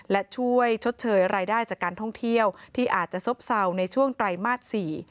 และช่วยชดเชยรายได้จากการท่องเที่ยวที่อาจจะซบเศร้าในช่วงไตรมาส๔